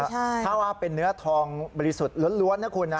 ใช่ใช่ถ้าว่าเป็นเนื้อทองบริสุทธิ์ล้วนล้วนนะคุณนะ